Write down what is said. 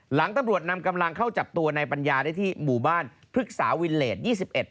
หลังตำรวจนำกำลังเข้าจับตัวในปัญญาได้ที่หมู่บ้านพฤกษาวิเลสยี่สิบเอ็ด